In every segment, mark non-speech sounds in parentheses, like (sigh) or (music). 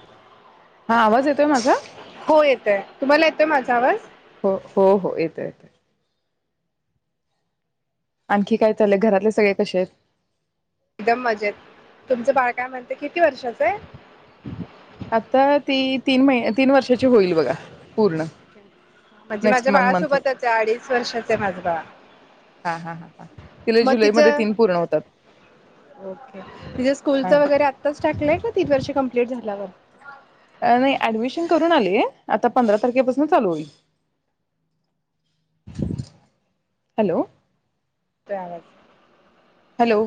(inaudible) हां आवाज येतोय माझा हो येतोय तुम्हाला येतोय माझा आवाज हो हो येतोय येतोय. आणखी काय चाललंय? घरातले सगळे कसे आहेत? एकदम मजेत. तुमचं बाळ काय म्हणतेय किती वर्षाचं आहे? आता ती तीन महि, तीन वर्षाची होईल बघा पूर्ण म्हणजे नेक्स्ट माझ्या मंथ बाळ मंथ सोबतच आहे, अडीच वर्षाचय माझं बाळ. हा हा हा हा तिला मग तिच जुलैमध्ये तीन पूर्ण होतात ओके तिच्या स्कूलच वगैरे हा आत्ताच टाकलंय का तीन वर्षे कंप्लीट झाल्यावर अ नाही ऍडमिशन करून आले, आता पंधरा तारखेपासन चालू होईल. हॅलो (unintelligible) आवाज हॅलो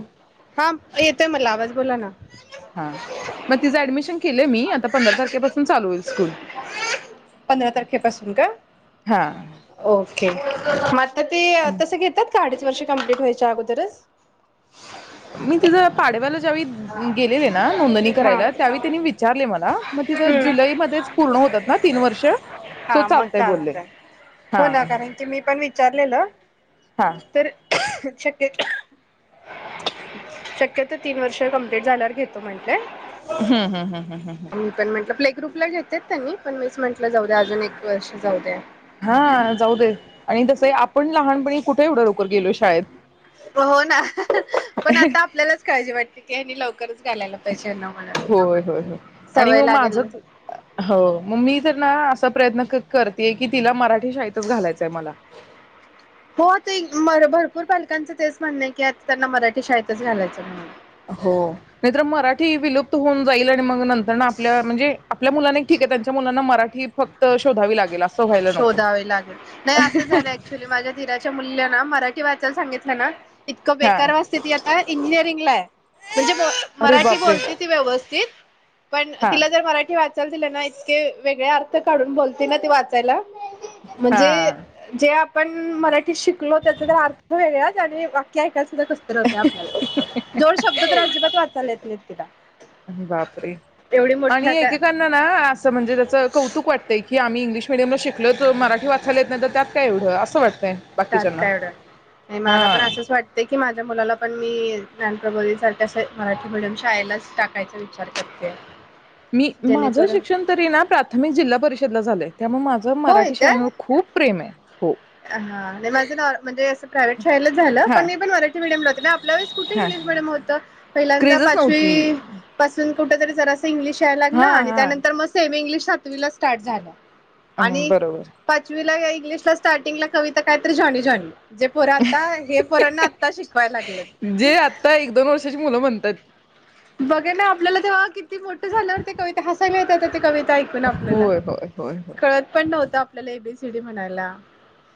हा येतोय मला आवाज, बोला ना हां, मग तिचं ऍडमिशन केल मी आता पंधरा तारखेपासून चालू होईल स्कुल. पंधरा तारखेपासून हां (unintelligible) त ते तस घेतात का अडीच वर्ष कंप्लीट व्हायच्या अगोदरच मी तिथं पाडव्याला ज्यावेळी गेलेले ना नोंदणी हा करायला त्या वेळी त्यानी विचार चारले मला मग तिथं हम्म. जुलै मध्येच पूर्ण होतात ना तीन वर्ष सो हा मग चालतंय बोलले. हो हा ना कारण की मी पण विचारलेलं हा शक्यत शक्यतो तीन वर्ष कमप्लीट झाल्यावर घेतो म्हंटले हूं हूं हूं मी पण म्हटलं प्ले ग्रुपला घेता त कानी पण मीच म्हंट हां जाऊ दे आणि तसं ही आप पण लहानपणी कुठे एवढं लवकर गेलोय शाळेत हो ना पण आता आपल्यालाच काळजी वाटते, की ह्यानी लव होय होय होय होय आणि सवय मग माझ लागेल हो मग मी तर ना अस प्रयत्न क करतेय की तिला मराठी शाळेतच घालायचंय मला हो ताई म भरपूर पालकांचं तेच म्हणणय की आता त्यांना मराठी शाळेतच घालायचं म्हणून हो नाही तर मराठी विलुप्त होऊन जाईल आणि मग नंतर ना आपल्या म्हणजे आपल्या मुलांना एक ठीक आहे, त्यांच्या मुलांना मराठी फक्त शोधावी लागेल अस शोधावे लागेल नाही असं झालय आहे, ऍक्च्युली माझ्या दीराच्या मुलीला ना मराठी वाचायला सांगितलं ना इतकं हा बेक्कार वाचते ती आत्ता इंजी (unintelligible) म्हणजे बोल अरे मराठी बापरे बोलते ती व्यवस्थित पण हा तिला जर मराठी वाच तर तिला ना इतके वेगळे अर्थ काढून बोलते ना ते वाच (unintelligible) म्हणजे हा जे आप पण मरा ते शिकलो त्याचा जर अर्थ वेगळाच (unintelligible) कसं तरी होतय आपल्याला जोड शब्द तर अजिबात वाचायला येत नाहीत. किडा. बापरे आणि त्या एकेकांना ना असं म्हणजे त्याच कौतुक वाटतंय की आम्ही इंग्लिश मिडीयम शीक ल तो मराठी वाचायला येत नाही तर त्यात काय एवढं असं वाटतंय. त्यात बाकीच्यांना काय एवढं मला हा पण, असंच वाटतंय की माझ मुलाला पण मी ज्ञानप्रबोधीनीसारख्या, अशा मराठी मीडियम शाळेलाच टाकायचा विचार करतेय. मी माझं शिक्षण तरी ना प्राथमिक जिल्हा परिषदला झालंय. त्यामुळे माझं होय मराठी काय? शाळेवर खूप प्रेम आहे हो हम्म नाय माझा ना अ म्हणजे अस प्रायव्हेट शाळेला झालं हा पण, मी पण मराठी मिडियम ला होते. आपल्या वेळेस कुठे हा इंग्लिश मिडियम होत? पहिल्यांदा क्रेजच नव्हती पाचवी पासून कुठेतरी जरासं इंग्लिश यायला लागलं हा आणि हा त्यानंतर म सेमी इंग्लिश सातवी ला स्टार्ट झालं. अ आणि बरोबर पाचवी त ला या इंग्लिशला स्टार्टिंग ला कविता काय तर, जॉनी-जॉनी. जे पोर आता हे पोरांना आता शिकवायला लागलेत जे आता एक दोन वर्षाची मुलं म्हणतात बघा ना आपल्याला तेव्हा किती मोठ झाल्यावर ते कविता हसायला येत होत ते कविता ऐकून आपल्याला होय होय होय होय येत पण नव्हतं आपल्याला एबीसीडी म्हणायला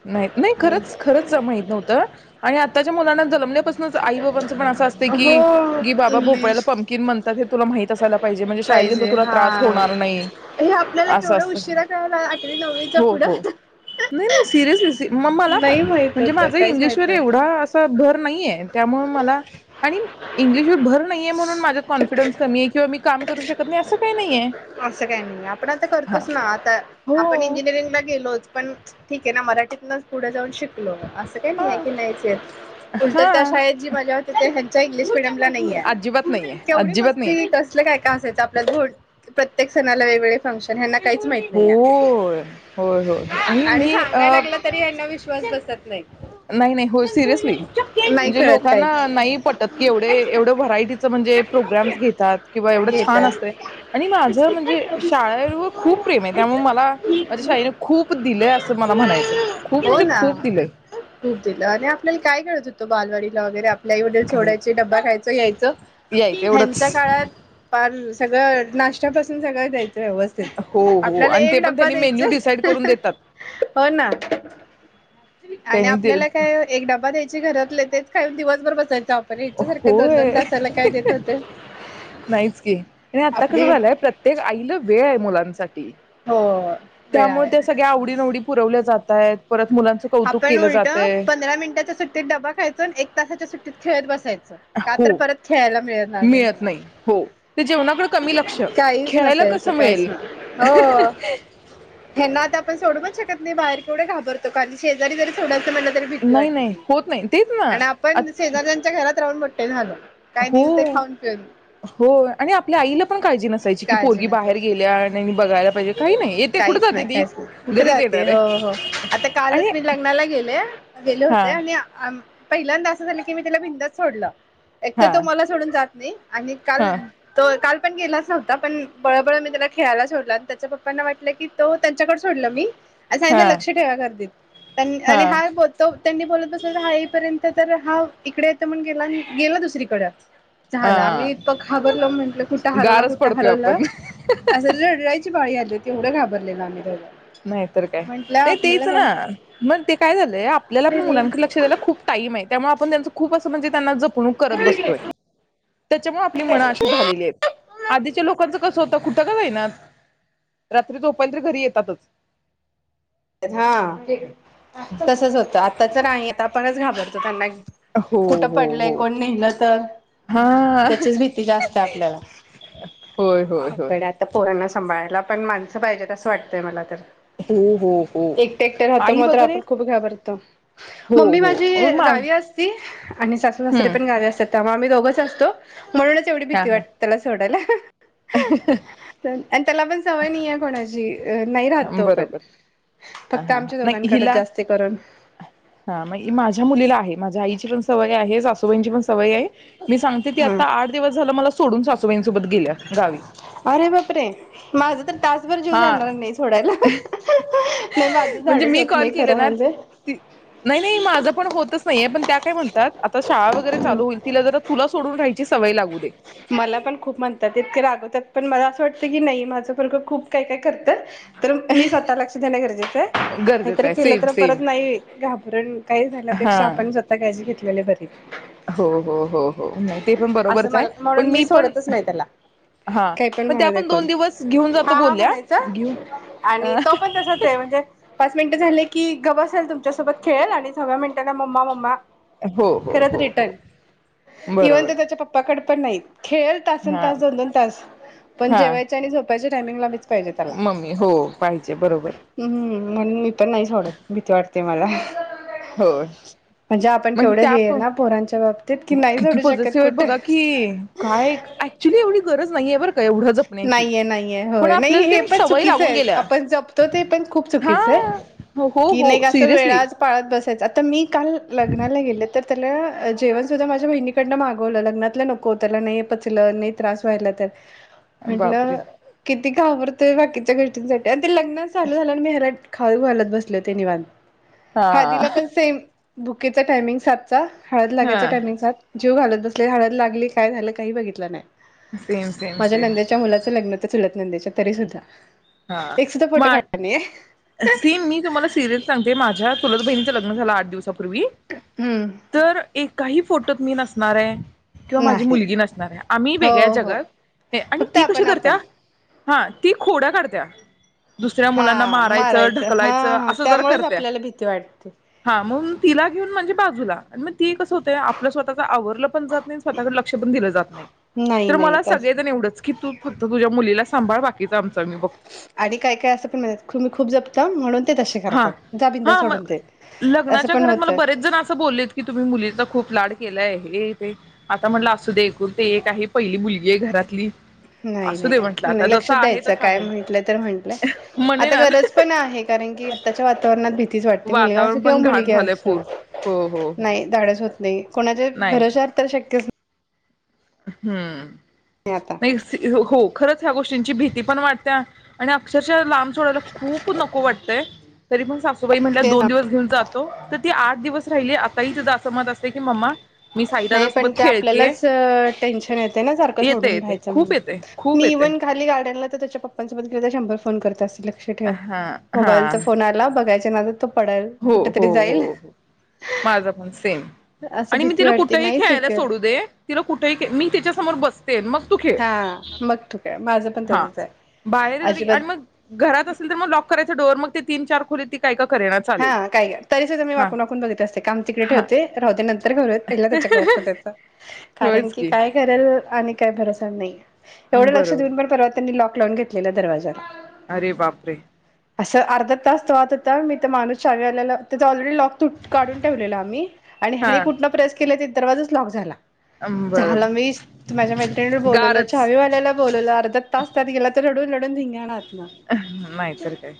माहित नाही, नाही खरंच खरंच माहित नव्हतं आणि आताच्या मुलांना जणमल्यापासूनच आई बाबांच पण असं असत हो की बाबा भोपळ्याला इंग्लिश पंम्कीन म्हणतात हे तुला माहित असायला पाहिजे म्हणजे पाहिजे शाळेत तुला त्रास हा. होणार नाही हे आपल्याला असं केवढं असतं उशिरा कळालं आठवी नववीच्या पुढं सिरीयसली मग मला पण नाही माहित म्हणजे होतं माझ काहीच माहित इंग्लिशवर नव्हतं. एवढा असा भर नाहीये त्यामुळे मला आणि इंग्लिशवर भर नाहीे म्हणून माझ कॉन्फिडन्स कमी आहे किंवा मी काम करू शकत नाही असं काही नाही आहे असं काही नाही आपण आता हा करतोच ना आता आपण हो इंजिनिअरिंगला गेलोच पण ठीक आहे ना मराठीत तुनच पुढे जाऊन शिकलो असं काही नाही हा आहे की नाहीच येत उलट हा त्या शाळेत जी मजा होती ते ह्या लिस्टगंढला नाही ये अजिबात नाहीये केवढी अजिबात नाहीये मस्ती कसलं काय का असायचं आपल्यात थोंड प्रत्येक सणाला वेगळे फंक्शन काहीच माहित हो नाही आहे. होय होय आणि मी अ सांगायला लागलं तरी यांना विश्वास बसत नाही नाही नाही हो सिरियसली नाही म्हणजे कळत काहीच लोकांना नाही पटत कि एवढे एवढं व्हरायटीच म्हणजे प्रोग्राम घेतात किंवा एवढं घे छान असत तर ये आणि माझ बिस्किट काय म्हणजे ठेवा शाळेवर बिस्किट खूप प्रेम आहे त्यामुळे खायचं? मला ठीक माझ्या आहे. शाळेने खूप दिलंय असं मला म्हणायचंय खूप हो म्हणजे ना खूप दिलंय खूप दिलं आणि आपल्याला काय कळत बालवाडीला वगैरे आप आपले आईवडील काही सोडायचे डब्बा खायच यायचं यायचं ह्यांच्या एवढंच काळात फार सगळं नाश्त्यापासून सगळं द्यायचं व्यवस्थित हो हो आपल्याला आणि ते एक पण डब्बा त्यांनी मेन्यू डिसाईड द्यायचय करून देतात हो ना आणि त्यांनी ते आपल्याला काय एक डबा द्यायची घरातले तेच काय दिवसभर बसा होय देत होते नाहीच की आणि आता कसं आपली झालंय प्रत्येक आईला वेळ आहे मुलांसाठी हो वेळ त्यामुळे आहे ते सगळ्या आवडीनिवडी पुरवल्या जात आहेत परत मुलांचं कौतुक आपण केलं उलट जातय पंधरा मिनिटाच्या सुट्टीत डबा खायचू एक तासाच्या सुट्टीत खेळत बस का हो तर परत खेळायला मिळणार नाही मिळत म्हणून हो ते जेवणाकडे कमी लक्ष काहीच खेळायला नसायचं कसं काहीच मिळेल नाही हो हेना आता आपण सोडूच शकत. नाही बाहेर केवढे घाबरत माझ्या शेजारी जरी सोडायच म्हटलं तरी भीती नाही नाही वाटते होत नाही तेच ना आणि आपण शेजार्यांच्या घरात राहून ते झाल काय हो दिल हो आणि आपल्या आईला पण काळजी नाही. काळजी नसायची, पाहिजे काही नाही येते कुठे काहीच जाते नाही ती काहीच नाही. कुठे घरीच जाते? येणार हो आहे हो आता कालच आणि मी लग्नाला गेले. गेले हा होते आणि आम पहिल्यांदा असं झालं, की मी त्याला बिनधास्त सोडलं. एक तर हा तो मला सोडून जात ने. आणि काल हा तो काल पण गेलाच आता पण, बळबळ मी त्याला खेळायला सोडलं आणि त्याच्या पप्पांना वाटलं, की तो त्यांच्याकड सोडलं मी सांगितलं हा लक्ष ठेवा गर्दीत. आणि हा बोलतो, त्यांनी बोलत बसले तर हा ईपर्यंत तर हा इकडे येतो म्हणूण, गेला आणि गेला दुसरीकड, अ झाला आम्ही इतक घाबरलो, म्हंटलं कुठं हरवला गारच कुठ (unintelligible) पडतोय आपण पाळी आली होती. एवढ घाबरलेलो आम्ही दोघ. नाहीतर काय, ते तेच ना मग ते काय झालंय आपल्याला पण मुलांकडे लक्ष द्यायला खूप टाइम आहे त्यामुळे आपण त्यांच खूप असं म्हणजे त्यांना जप फोन करत बसतोय. त्याच्यामुळे आपली मन अशी झालेली आहेत, आधीच्या लोकांच कस होतं, कुठं का जाईना रात्री झोपायला तरी घरी येतातच. हा, तसच होतं आता च काय आता आपणच घाबरतो त्यांना कुठ हो हो पडलंय हो कोण न्हेल तर, हा त्याचीच भीती जास्त आहे आपल्याला होय होय होय आपण आता पोरांना सांभाळायला पण माणसं पाहिजे, तसं वाटतंय मला तर हो हो हो एकट एकट राहतो आई मात्र वगैरे आपण खूप घाबरतो. हो मम्मी माझी हो मा गावी असती आणि सासू सासरे हम्म पण गावी असतात त्यामुळे आम्ही दोघच तसतो. म्हणूनच एवढी हा भीती हा वाटते, त्याला सोडायला. आणि त्याला पण, सवय नये कोणाची, अ.. नाही राहतो पण, बरोबर हा फक्त हा आमच्या नाही दोघांकडे हिला, जास्त करून हा मग माझ्या मुलीला आहे. माझ्या आईची पण सवय. आहे सासूबाईंचीपण. सवये, मी सांगते ती हा आता आठ दिवस झालं मला सोडू सोडून सासूबाईं अरे बाप रे, माझं तर तासभर जीव हा जाणार नाही. सोडायला. नाही माझं म्हणजे झाडच मी होत कॉल नाही केले खरं ना म्हणजे नाही नाही माझ पण होतच नाहीे पण त्या काय म्हणतात आता शाळा वगैरे चालू होईल, तिला जरा तुला सोडून राहायची सवय लागू दे (unintelligible) मला पण खूप म्हणतात, इतके रागवतात पण मला असं वाटतं की, नाही माझं पोरगं खूप काय काय करतं तर मी स्वतः लक्ष देणं गरजेचं आहे, गरजेचं काहीतरी आहे केलं सेम तर सेम परत नाही घाब कारण (unintelligible) काही झाल्यापेक्षा हा आपण, स्वतः काळजी घेतली (unintelligible) हो हो हो हो नाही, ते पण बरोबरच आहे. पण मी सोडतच नाही त्याला, हा काही पण त्या म्हणुदे दोन कोणाला दिवस घेऊन जातो हा हा बोलल्या म्हणायचं, घेऊन आणि तो पण तसाचं, म्हणजे पाच मिनिट झाले की, गब असेल तुमच्यासोबत खेळेल आणि सहाव्या मिनटाला मम्मा मम्मा हो हो करत हो हो रिटर्न, इवन बरोबर तर त्याच्या पप्पाकड पण नाही खेळल तासन हा तास, दोन दोन तास, पण हा जेवायचे आणि झोपा्यायचे टाईमिंगलाच मम्मी हो, पाहिजे बरोबर हम्म म्हणून मी पण नाहीच वाडत, भीती वाटते मला हो म्हणजे आपण मग केवढं त्या हे पण ना, पोरांच्या बाबतीत कि नाही किती जोडू शकत पॉझिटिव्ह आहे कुठं. बघा की काय, ऍक्च्युली एवढी गरज नाहीय नाहीये नाहीये--हॊय, नाही आपल्याला हे ते पण सवय चुकीच लागून आहे. गेल्या आपण जपतो ते पण खूप हा चुकीच आहे, हो की हो नाही असं सिरियसली वेळा पाळत बसा तेच आता मी, काल लग्नाला गेले तर त्याला जेवण सुद्धा माझ्या बहिणीकडनं मागवलं लग्नातलं नको, त्याला नाही पचलं नाही त्रास व्हायला तर म्हटलं बापरे कि? ती घाबरतोय बाकीच्या गोष्टींसाठी ते लग्न चालू झालं आणि मी हरट खाऊ घालत बसले ते निवांत. हा हळदीला पण सेम भूकीेचा टायमिंग सातचा. हळद हा लागायच टाइमिंग सात जेवू घालत बसले हळद लागली काय झालं काही बघितलं नाही. सेम सेम सेम मुलाच लग्न होत चुलत नंदेच्या तरी सुद्धा हा एक सुद्धा फोटो मग काढला नाहीये सीन मी तुम्हाला सिरियल सांगते माझ्या माझ्या चुलत बहिणींच लग्न झाल आठ दिवसापूर्वी पूर्वी हम्म तर काही फो मी नसणार आहे. किंवा माझी नाही मुलगी नसणार आहे. आम्ही हो वेगळ्या हो जगात आणि फक्त ती कशी आपण आपण करत्या हा ती खोड्या काढत द्या दुसऱ्या मुलांना हा मारायचं हा ढकलायचं हा असं जर त्यामुळेच करते आपल्याला भीती वाटते हा मग तिला घेऊन म्हणजे बाजूला मग ते कस होतय आपल स्वतःच आवरलं पण जात नाही. स्वतःकडे लक्ष पण दिलं जात नाही. नाही तर नाही मला तस सगळेजण एवढंच की तू फक्त तुझ्या मुलीला सांभाळ बाकीच आमंच आम्ही बघतो. आणि काय काय असं पण म्हणुन खूप जपता म्हणून ते तसे हा करतात जा बिंदास हा सोडून मग ते असं लग्नाच्या पण घरात होत. मला बरेच केलंय हे ते आता म्हटलं असू दे ते एकुलती एक आहे पहिली मुल ये घरातली नाही असू दे म्हंटलं आता नाही जसं लक्षात आहे द्यायचं तसं काय आहे म्हणतात तर म्हटलं म्हणे आता ना गरज पण आहे कारण की, आताच्या वातावरणात (unintelligible) तीच वाटते मुलगा असो वातावरण किंवा पण घाण मुलगी झालंय असो फूर हो हो हो नाही, धाडस होत. नाही कोणाचे नाही नाही भरोशावर तर शक्यच नाही. हम्म नाही आता नाही. हो, खरंच ह्या गोष्टींची भीती पण वाटते आणि अक्षरशः लांब सोडायला खूप नको वाटतंय, तरी पण सासुबाई म्हटल्या तेच दोन दिवस घेऊन जातो तर ती आ दिवस राहिले आता ही हिज असं मत असते की, मम्मा मी नाही साईदादा पण सोबत ते खेळतेय आपल्यालाच अ टेंशन येतय ना सारख येते सोडून येते राहयच म्हणून, खूप येते खूप मी येते इव्हन खाली गार्डन त्याच्या पप्पा न सोबत गेले तर शंभर? फोन करत असल- लक्ष ठेव हा हा मोबाईल चा फोन आला, बघायचा ते माझ हो हो हो माझ पण सेम- असं आणि मी भीती तिला वाटते कुठेही नाही खेळायला सिक्युअर सोडू दे तिला कुठेही मी तिच्या समोर बस ते मग- तू खेळ हा मग तू काय माझ प हा बाहेर जरी, आणि मग घरात असेल तर मग लॉक करायचा डोर मग ते तीन चार फूले ती काय? करेना चालेल हा काय तरी सुद्धा मी हा वाकून वाकून बघत असते काम तिकडे हा ठेवते राहूदे नंतर करुया पहिले त्याच्याकडे लक्षात द्याचं कारण होयच कि की काय करेल आणि काय भरोसाच नाही. एवढं लक्ष बरोबर देऊन पण परवा त्यांनी लॉक लावून घेतलेल दरवाज्याला अरे बापरे! असं अर्धा तास तो वाहत होता मी ते माणुस शानी आलेल, त्याच ऑलरेडी लाॅक तुट काढून ठेवलेल आम्ही आणि ह्यानी हा कुठून दरवाजाच लॉक झाला. बर चल मी माझ्या मैत्रिणीवर बोलवलं गारच चाहावीवाल्याला बोलवलं अर्धा तास त्यात गेला तर रडून रडून धिंगानाच हं नाहीतर काय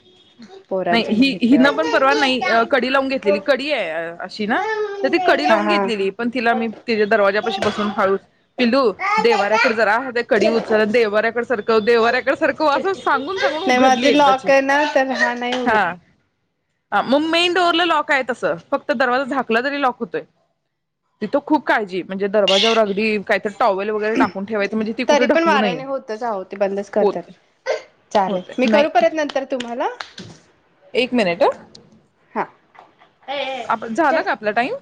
पोरांची खूप नाही ही भीती हीना पण परवा वाटते नीयी कडी लावून घेतलेली, कडी य य अशी ना तर ती कडी हा लावून हा घेतलेली पण तीला मी तिज्या दरवाजापाशी बसून हळूच पिल्लू देव्हाराकडे जरा कडी उचल देवहार्याकडे सरक देवाऱ्याकडे सरकव अस सांगुन नाही माझे लॉक आहे ना तर हा नाही होत हा हा मेन डोर ला लॉक आहे तस फक्त दरवाजा झाधकला तरी लॉक होतोय तिथ खूप काळजी म्हणजे दरवाज्यावर अगदी काहीत टॉवेल वगैरे टाकून ठेवायच तरी पण वाऱ्याने होतच आहो ते बंदच करतात. होते होते मी नाही करू परत नंतर तुम्हाला एक मिनिट अ हा ए ए आप झाला चल का आपला टाईम?